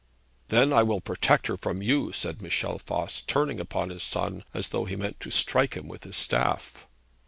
'Then I will protect her from you,' said Michel Voss, turning upon his son as though he meant to strike him with his staff.